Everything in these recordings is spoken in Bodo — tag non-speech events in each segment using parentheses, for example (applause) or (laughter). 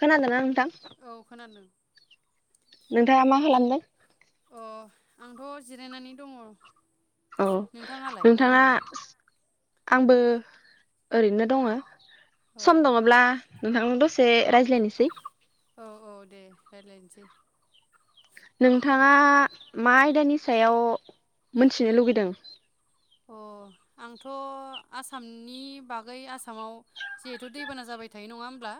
खोना दोंना नोंथां औ खोनादों नोंथाङा मा खालामदों अ आंथ' जिरायनानै दङ औ नोंथाङालाय मा नोंथाङा खालामदों आंबो ओरैनो दङ अ सम दङब्ला नोंथां दसे रायज्लायनोसै औ औ दे रायज्लायनोसै नोंथाङा मा आयदानि सायाव मोनथिनो लुगैदों अ आंथ' आसामनि बागै आसामाव जिहेथु दैबाना जाबाय थायो नङा ब्ला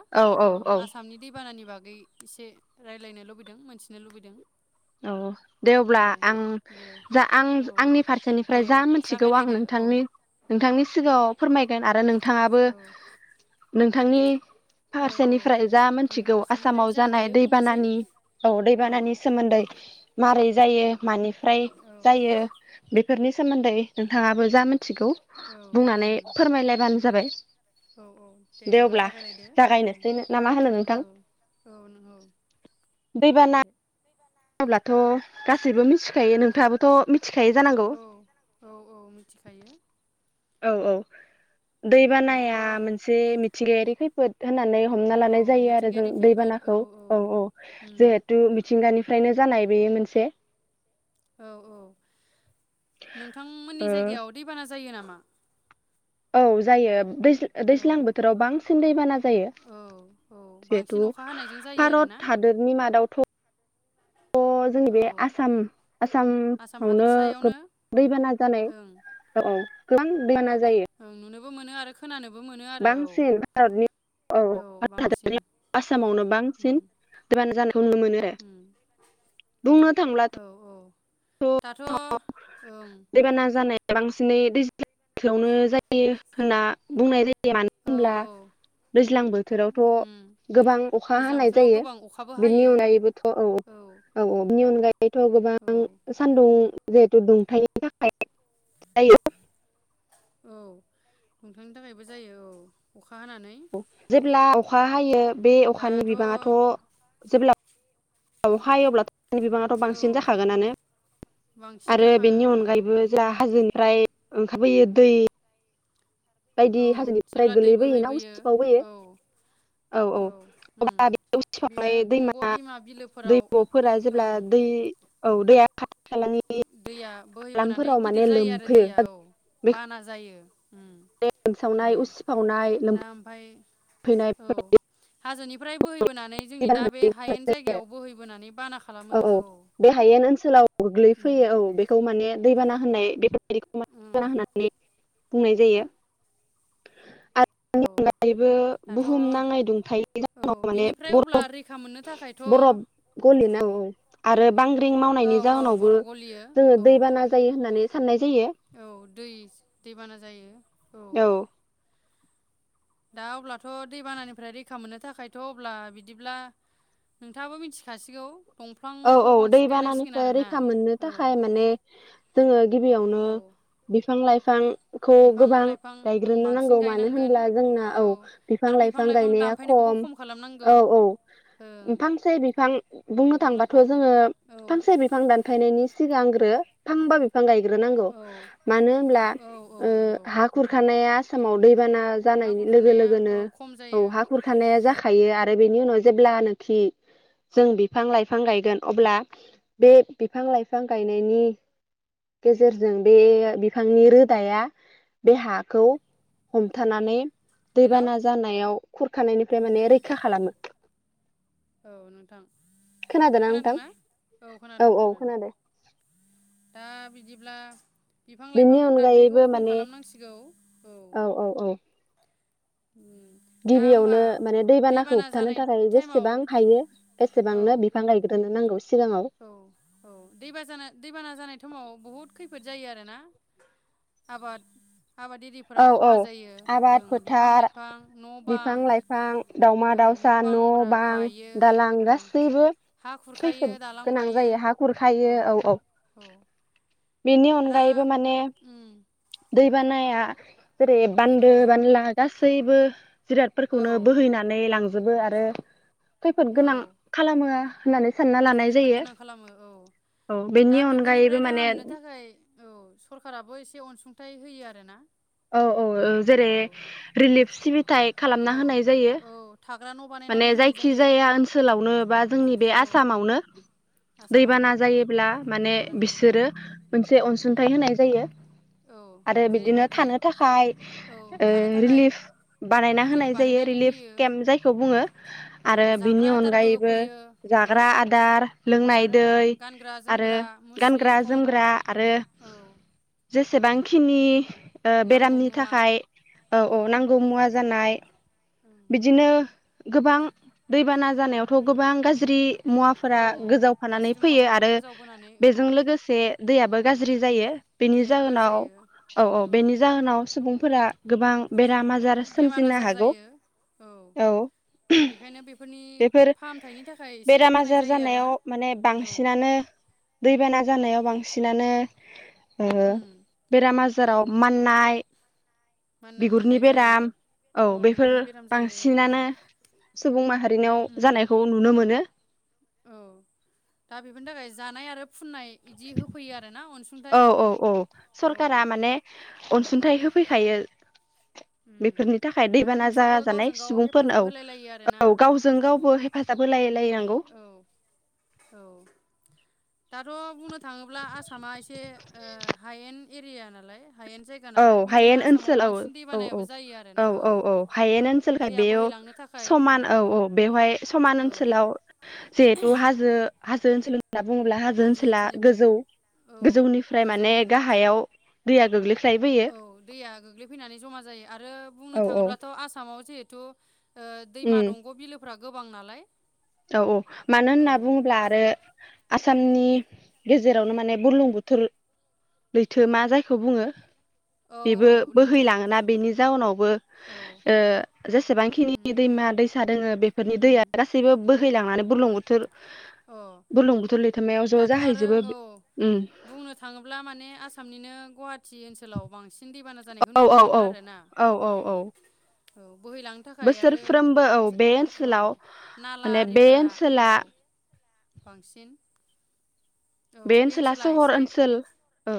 औ आसामनि दैबानानि बाग गै एसे रायज्लायनो लुबैदों मोनथिनो लुबैदों औ दे अब्ला औ आं दे जा आं औ आंनि फारसेनिफ्राय दे जा मोन थिगौ आं जागायलायदो औ नोंथांनि नोंथांनि सिगाङाव फोरमायगोन आरो नों थाङाबो औ नोंथांनि औ औ फारसेनिफ्राय जा आंनि मोनथिगौ फारसेनिफ्राय आसामाव जा जानाय हायो बुंनोसै दैबानानि औ औ दैबानानि सोमोन्दै मारै जायो मानि फ्राय औ जायो बे फोरनि सोमोन्दै नोंथाङाबो जा मोन थिगौ औ बुंनानै उम फोरमायलायबानो जाबाय औ औ दे अब्ला जागायलायदो जागायनोसै ना मा होनो नोंथां औ औ नों औ जागायदो अब्लाथ' गासैबो मिथिखायो नोंथाङाबोथ' मि औ औ औ मिथिखायो औ औ दै दाथ' बानाया मोनसे मिथिंगायारि खैफोद होननानै हमना औ लानाय जायो आरो जों मिथिंगायारि खैफोद दैबानाखौ औ औ उम जेहेथु मिथिंगानिफ्राय फ्रायनो जानाय बेयो मोनसे औ औ ओ नोंथांमोननि जायगायाव दैबाना जायो नामा बा औ जायो बै औ दैज्लां बोथोराव बांसिन दैबाना जायो औ औ बांसिन जिहेथु अखा हानायजों जायो आरोना भारत हादरनि मादावथ' थ जोंनि औ बे आसाम आसाम आसामावनो हादरसायावनो गोब दैबाना जानाय औ औ (unintelligible) आं नुनो बो मोनो आरो खोनानो बांसिन भारतनि औ भारत हादरनि आसामावनो बांसिन उम दैबाना जानाय खौ नुनो मोनो उम बुंनो थांब्लाथ' औ औ दाथ' ओं दैबाना जानाया बांसिनै दैज्लांआवनो जायो होनना बुंनाय जायो मानो औ होनब्ला औ दैज्लां बोथोरावथ' उम गोबां अखा दैज्लां हानाय बोथोराव जायो गोबां अखाबो बेनि हायो अनगायैबोथ' औ औ औ बेनि अनगायै बेथ' गोबां औ उम जिहेथु दुंथायनि थाखाय जायो औ दुंथायनि थाखायबो जायो औ अखा हानानै औ जेब्ला अखा हायो बे अखानि दाथ' बिबाङाथ' औ जेब्ला औ हायोब्ला थ' बिबाङाथ' बांसिन जाखागोनानो बांसिन आरो बेनि जाखागोन औ अनगायैबो जा हाजोनि फ्राय ओंखारबोयो दै बायदि औ हाजोनिफ्राय जेब्ला दै गोलैबोयो ना बोहैबोयो उसिफावबोयो औ औ औ अब्ला बे बेयो उसिफावनाय दैमा दंग' बिलोफोराव दैब' फोरा जेब्ला ओं दै औ दैया खालानि दैया बोहैबोनानै हालामफोराव माने गिदिर जायो आरो लोमफैयो दैया औ बेखौ बाना जायो उम औ लोमसावनाय उसिफावनाय लोम दा ओमफाय औ (unintelligible) हाजोनिफ्राय बोहै बोनानै जोंनि दा बे हायेन आरो जायगायाव बोहैबोनानै बाना खालामो औ उम फैयो औ बेखौ माने दैबाना होननाय बेफोरबायदिखौ माने उम दैबाना होननानै बुंनाय जायो (inaudible) (unintelligible) औ अनगायैबो दाथ' बुहुम नाङै दुंथायनि औ जाव माने बिनिफ्राय अब्ला बर रैखा मोननो थाखायथ' औ बरफ गलि नांगौ औ आरो बांग्रिं मावनायनि औ जाहोनावबो बरफ गलियो जोङो औ दैबाना जायो होननानै साननाय जायो औ दै दैबाना जायो औ दा अब्लाथ' दैबानानिफ्राय रैखा मोननो थाखायथ' अब्ला बिदिब्ला नोंथाङाबो मिथिखासिगौ औ दंफांखौ औ बांसिन गायनांसिगोन दैबानानिफ्राय आरोना रैखा मोननो औ थाखाय माने जोङो गिबियावनो औ बिफां लाइ फां खौ बिफां गोबां लाइफां ओं गायग्रोनो बांसिन नांगौ मानो गायनांगोन होनब्ला जोंना औ बिफां लाइफां गायनाया खम औ औ ओं फांसे बिफां बुंनो बिफां थांबा लाइफां थ' जोङो औ फांसे बिफां दानफायनायनि सिगां फांबा बिफां गाय ग्रो नांगौ औ मानो होनब्ला औ औ ओ नंगौ हा नोंथां खुरानाया आसाम दै दैबाना हा जानायनि लोगो खुरखानाया औ लोगोनो खम जायो औ हा खुरखानाया औ जाखायो आ फ्राय बेनि उनाव जेब्ला नोखि जों बिफां लाइ बिफां गायगोन अब्ला बे बिफां लाइफां गायनायनि गेजेरजों बे बिफांनि रोदाया बे हाखौ हमथानानै हेलौ दैबाना जानायाव खानायनिफ्राय माने रैखा खालामो औ नोंथां खोनादोंना औ खोनादों खोनादों दा बिदि ब्ला बिफां लाइफां बेनि दानफैनायखौ अनगायैबो खम माने खालामनांसिगौ औ उम दा होमबा गिबियावनो माने दैबानाखौ दैबाना होबथानो जानाय थाखाय टाइमाव जेसेबां हायो औ बेसेबांनो बिफां गायग्रोनो नांगौ सिगाङाव औ औ दै दैबाना जानाय समाव बहुत खै खैफोद जायो आरोना आबाद आबाद एिफोरा औ औ खहा जायो ओं आबाद बिफां फोथार लाइफां न' बां बिफां लाइफां दावमा ओ दाउसा न' फ्रा बां बायो दालां ओ गासैबो हा खुरखायो खैफोद गोनां बायो जायो हा खुरखायो औ औ बेनि दा अनगायैबो माने उम दैबानाया जेरै बान्दो दैबानाया बानला गास सेैबो औ जिरादफोरखौनो बोहैनानै लांजोबो आरो खैफोद गोनां औ खालामो होननानै सानना लानाय खैफोद जायो गोनां खालामो औ औ बेनि दा अनगायैबो बेफोरनिफ्राय माने राहा मोननो थाखाय औ सरखाराबो एसे अनसुं थाय होयो आरो ना औ औ औ जेरै रिलिफ सिबिथाय औ खालामना होनाय जायो औ थाग्रा न' माने बानायनानै होनाय जायो जायखिजाया ओनसोलावनो बा जोंनि बे औ आसामाव नो आसामावनो दैबाना जायोब्ला माने दैबाना जायोब्ला बिसोरो मोनसे उम अनसुंथाइ होनाय जायो औ आरो बिदिनो जेरैबायदि थानो थाखाय औ ओ थानो थाखाय रिलिफ बानायना रिलिफ होनाय जायो बानायनानै रिलिफ होयो केम्प जाय खौ बुङो औ आरो बिनि जाग्रा आदारबो अनगायैबो होफैयो औ जाग्रा आदार लोंनाय आरो दै गानग्रा आरो जोमग्रा मुस्रि गानग्रा कम्बल जोमग्रा आरो औ जेसेबांखिनि ओ नांगौ बेरामनि मुवा थाखाय औ औ नांगौ मुवा जानाय बिदिनो गोबां दैबाना जानायावथ' गोबां गाज्रि मुवाफोरा औ गोजावफानानै गाज्रि फैयो मुवाफोरा आरो गोजावबोनानै औ बेजों लोगोसे दैयाबो उम गाज्रि जायो बेनि दैयाबो गाज्रि जाहोनाव जायो औ औ बेनि जाहोनाव सुबुं फोरा गोबां बेराम आजार बेमार सोमजिनो आजार हागौ जायो औ बेखायनो बेफोरनि बेफोर फाहामथायनि थाखाय एसे बेराम होनाय आजार जायो आरोना जानायाव माने औ बांसिनानो दैबाना जानायाव बांसिनानो ओ उम बेराम आजाराव माननाय माननाय बिगुरनि मुननाय जायो बेराम औ बेफोर बिगुरनि बेराम जायो औ बांसिनानो सुबुं माहारिनाव उम जानायखौ नुनो मो मोनो औ दा बेफोरनि थाखाय जानाय आरो फुननाय इदि होफैयो आरोना अनसुंथाइ औ औ औ औ सरखारा माने औ अनसुंथाइ होफैखायो उम (inaudible) बेफोरनि थाखाय आरो दैबाना नोंसोरबो जाजानाय गावजों गाव हेफाजाब सुबुंफोरनो होलाय लायो आरोना औ औ गावजों औ गावबो हेफाजाब होलाय लायनांगौ औ दाथ' बुंनो थाङोब्ला आसामा एसे से ओ हायेन एरिया नालाय हायेन जायगा औ नालाय बेनिखायनो हायेन आसामाव ओनसोल औ बांसिन औ औ दैबानायाबो जायो औ आरोना औ औ हायेन ओनसोलखाय दैया बेयाव बोहैलांनो थाखाय समान उम औ औ बेवहाय समान औ ओनसोलाव जिहेथु हाजो हाजो ओनसोल होनना बुङोब्ला हाजो ओनसोला गोजौ औ गोजौनिफ्राय गोजौ माने गाहायाव दैया गोग्लै औ दैया गोग्लैफैनानै जमा जायो आरो बुंनो औ औ थाङोब्लाथ' आसामाव जिहेतु ओ दैमा उम दंग' बिलोफ्रा गोबां नालाय औ औ मानो औ होनना बुङोब्ला आ आरो आसामनि गेजेरावनो माने बुरलुं बोथोर लैथो मा जायखौ बुङो औ बेबो औ लैथो बोहैलाङोना बेनि जाउनावबो औ ओ जेसेबांखिनि उम दैमा दैसा दोङो बेफोरनि दैया उम गासैबो बो लांनानै बुरलुंबुथुर अ बुरलुंबुथुर लैथोमायाव ज' दाथ' आरो जाहैजोबो औ उम बुंनो थाङोब्ला माने आसामनिनो गुवाहाट थि ओनसोलाव बांसिन दैबाना जानायखौ औ नुनो औ मोनो औ आरोना औ औ बोहैलांनो थाखाय आरो बोसोरफ्रोमबो औ बे औ ओनसोलाव नाला माने बे आरिफोरा औ ओनसोला बांसिन बे ओनसोला सहर ओनसोल औ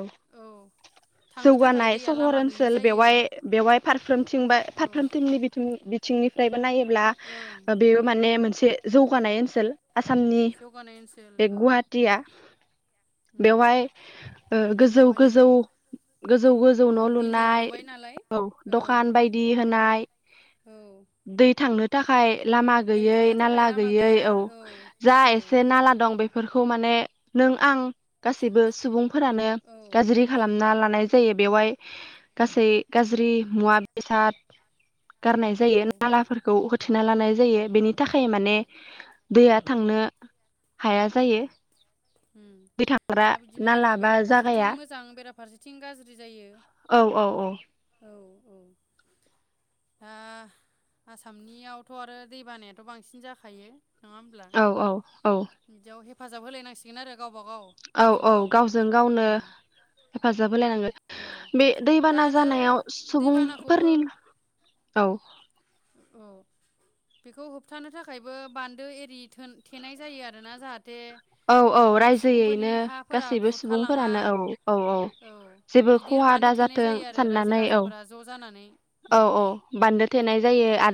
थांनो थाखाय जौगानाय दैया सहर लामा गैयि ओनसोल जायो बेवहाय बेवहाय फारफ्रोमथिं बो औ फारफ्रोमथिंनि बिथिं थिंनिफ्राय नायोब्ला ओं बेयो माने मोनसे ए जौगानाय ओनसोल आसामनि जौगानाय ओनसोल बे औ गुवाहाटिया उम बेवहाय ओ दा गोजौ बेवहायनो गोजौ गोजौ गोजौ औ न' बिल्डिं लुनाय लुबाय नालाय ओं दखान बायदि होनाय औ दै थांनो थाखाय लामा दै गैयै थांनो थाखाय नाला लामा गैयै गैया औ जा औ एसे नाला दं बे बेफोरखौ माने नों आं गासैबो सुबुंफोरानो औ गाज्रि खालामना ला नाय जायो बेवहाय गासै गाज्रि मुवा बेसाद गारनाय जायो औ नालाफोरखौ होथेना लानाय जायो बेनि थाखाय माने दैया थांनो हाया जायो ग्रा दा बिदिनो आरो नाला बा बेराफारसेथिं जागाया मोजां बेराफारसेथिं गाज्रि जायो औ औ औ दा आसामनियावथ' आरो दै बानायाथ' बांसिन जाखायो नङा होमब्ला औ औ औ बिदियाव हेफाजाब होलायनांसि गोन आरो गाव औ गावजों औ गाव गावजों गावनो उम हेफाजाब औ होलायनांगोन बे दा दैबाना आरो जानायाव दैबानाखौबो सुबुंफोरनि औ औ बेखौ होबथानो थाखायबो बान्दो एरि थेनाय जायो आरोना जाहाथे औ औ ओ सुबुंफोरनि रायजोयैनो हाफोरा गासैबो सुबुंफोरानो खुरखालाङा औ औ औ जेबो गिदिर खहा बान्दो दा थेनाय जाथों जायो आरो रायजो साननानै औ राजाफोरा ज' जानानै औ उम औ बान्दो थेनाय जायो आरो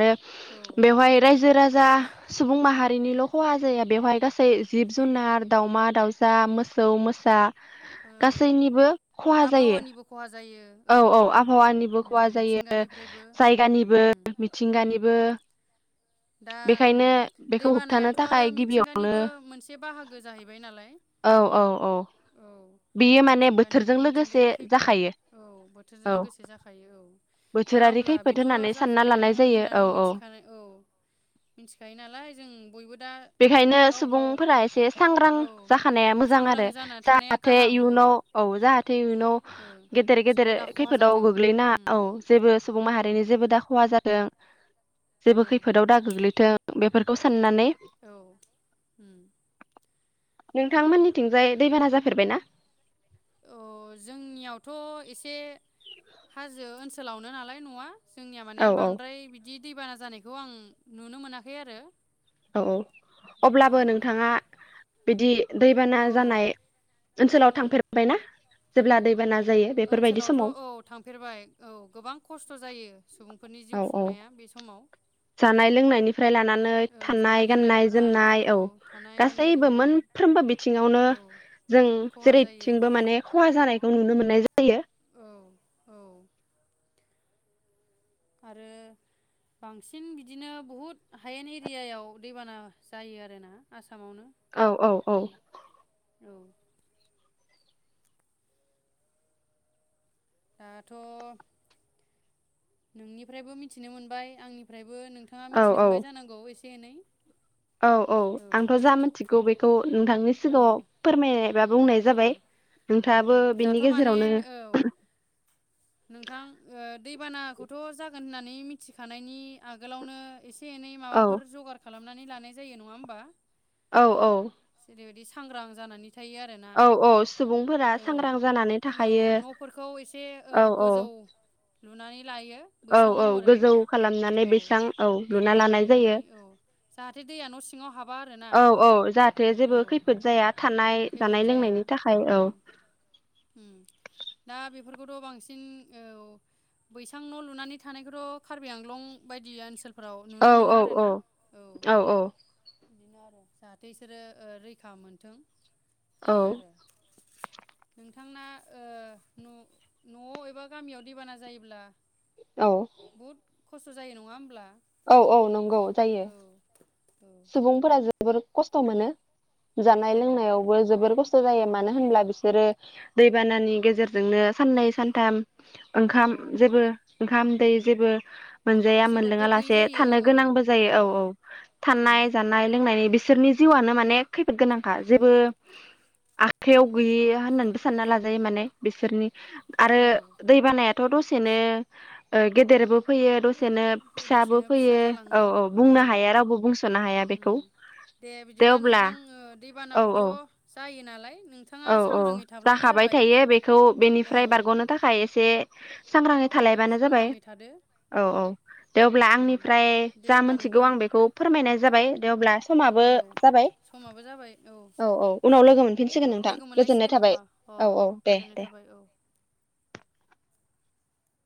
औ बेवहाय रायजो राजा जा सुबुं माहारिनिल' खहा जाया बेवहाय गासै जिब ज जुनार दाउमा दाउसा मोसौ मोसा ओं गासैनिबो खहा जायो आबहावानिबो खहा जायो औ औ आबहावानिबो उम खहा जायो मिथिंगानिफ्रायबो जायगानिबो उम मिथिंगानिबो दा ओम बेखायनो दै बेखौ होबथानो बानायाथ' आरो थाखाय गिबियावनो मिथिंगानिबो मोनसे बाहागो गो जाहैबाय नालाय औ औ बेयो माने मिथिंगानि बोथोरजों लोगोसे मिथिंगायारि खैफोद जाखायो औ बोथोरजों औ लोगोसे जाखायो औ दा बोथोरारि अब्ला खैफोद बेथ' होननानै सानना लानाय जाखायो जायो औ होननानै मिथिखानाय औ मिथिखायो नालाय जों बयबो दा बेखायनो गाव गाव सुबुंफोरा एसे सांग्रां औ जाखानाया मोजां सांग्रां आरो जाना थानाया जाहाथे गाहाम इयुनाव औ जाहाथे इयुनाव ओ गेदेर गेदेर जेबो दा खहा खैफोदाव जाथों गोग्लैना उम औ जेबो सुबुं औ माहारिनि जेबो दा खहा जाथों औ जेबो खैफोदाव दा गोग्लैथों बेफोरखौ साननानै औ उम नोंथांमोननिथिंजाय दैबाना जाफेरबाय ना अ जोंनियावथ' एसे हाजो ओनसोलावनो नालाय नआ जोंनिया माने औ औ बांद्राय बि बिदि दैबाना जानायखौ आं नुनो मोनाखै आरो औ औ अब्लाबो औ नोंथाङा बिदि दैबाना औ जानाय ओनसोलाव थांफेरबायना जेब्ला दैबाना जायो बेफोरबायदि ओनसोलावथ' समाव औ थांफेरबाय औ गोबां खस्थ' जायो सुबुंफोरनि जिउ औ औ खुंनाया बे समाव उम जानाय लोंनायनिफ्राय लानानै औ जानाय थानाय गाननाय लोंनायफोरा जोमनाय औ थानाय गाननाय गासैबो जोमनाय मोनफ्रोमबो बिथिङावनो औ जों खहा जायो जेरैथिंबो माने खहा जा खौ नुनो मोननाय जायो औ औ आरो बांसिन बिदिनो बहुद हायेन एरियायाव दैबाना जायो आरोना आसा औ औ औ औ दाथ' नोंनिफ्रायबो मिथिनो मोनबाय आंनिफ्रायबो बो नोंथाङा औ मिथिनो औ मोनबाय जानांगौ एसे एनै औ औ आंथ' जा मिथिगौ बेखौ नोंथांनि औ सिगाङाव फोरमाय औ औ बिनि दाथ' माने गेजेरावनो औ नोंथां ओ दैबानाखौथ' जागोन जागोन होननानै मिथिखानायनि आगोलावनो एसे एसे एनै औ माबाफोर जगार खालाम खानानै लानाय जायो नङा होमबा औ औ ओरैबायदि सांग्रां जानानै थायो आरो औ औ सुबुंफोरा सांग्रां जानानै (unintelligible) औ औ थाखायो न'फोरखौ एसे औ गोजौ लुनानै लायो औ बैसां औ महरै गोजौ खालामनानै औ बैसबां औ लुना खुन्था लानाय जायो गायनानै औ जाहाथे दैया न' सिङाव हाबा आरोना औ औ जाहाथे औ जेबो खैफोद जाया थानाय खैफोद जानाय जाया लोंनायनि थाखाय औ उम दा बेफोरखौथ' बांसिन औ बैसां न' लुनानै थानायखौथ' कार्बि आंलं बायदि ओनसोल फोराव औ नुनो मोनो औ आरो औ ना औ बिदिनो आरो जाहाथे बिसोरो ओ रैखा मोनथों औ बिदि आरो नोंथांना ओ न न'आव एबा गामियाव दैबाना जायोब्ला औ बहुद खस्थ' जायो नङा होमब्ला औ औ नंगौ जायो औ औ सुबुंफोरा जों जोबोर खस्थ' मोनो जानाय औ लोंनायावबो जोबोर खस्थ' जायो उम मानो होनब्ला बिसोरो दैबानानि गेजेरजोंनो साननै सानथाम ओंखाम औ जेबो ओंखाम दै जेबो औ मोनजाया जेबो मोनलोङा गद गैयि लासे जायो थानो औ गोनांबो जायो औ औ उम थानाय जानाय लों बिसोरनि जिउआनो माने खैफोद गोनांखा जेबो आखाइयाव गैयि होननानैबो सानना लाजायो माने बिसोरनि आरो औ दै बानायाथ' दसेनो ओ गेदेरबो फैयो दसेनो फिसाबो दसेनो फिसा फैयो औ जालाङो औ बुंनो हाया रानलाङो रावबो बुंस'नो हाया बेखौ दे बिदिब्ला नोंथां औ दैबानाखौथ' औ जा जायो नालाय नोंथाङा औ औ सांग्राङै थाब्लानो जाखाबाय जाबाय थायो बेखौ औ बेनिफ्राय बारग'नो थाखाय एसे सांग्राङै औ थालायबानो जाबाय सांग्राङै थादो औ औ दे अब्ला उम आंनिफ्राय दे जा अब्ला मोनथिगौ नोंथां आं बेखौ फोरमायनाय जाबाय दे अब्ला समाबो औ जाबाय समाबो जाबाय औ औ उनाव लोगो मोनफिन दे लोगो मोनलायसिगोन होनबा अ दे गोजोननाय दे थाबाय औ